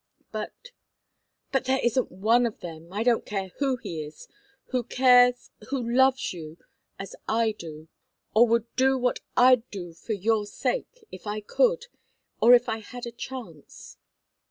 But but there isn't one of them, I don't care who he is, who cares who loves you as I do, or would do what I'd do for your sake, if I could, or if I had a chance.